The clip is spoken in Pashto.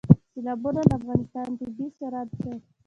سیلابونه د افغانستان طبعي ثروت دی.